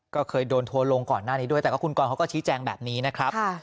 ก็เคยโดนทัวร์ลงก่อนหน้านี้ด้วยแต่ก็คุณกรเขาก็ชี้แจงแบบนี้นะครับ